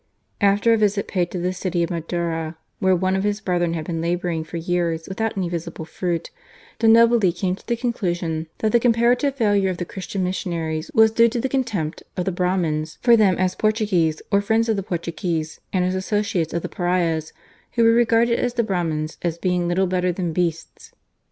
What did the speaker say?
After a visit paid to the city of Madura, where one of his brethren had been labouring for years without any visible fruit, de' Nobili came to the conclusion that the comparative failure of the Christian missionaries was due to the contempt of the Brahmins for them as Portuguese or friends of the Portuguese and as associates of the pariahs, who were regarded by the Brahmins as being little better than beasts.